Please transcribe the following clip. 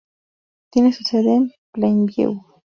Tiene su sede en Plainview.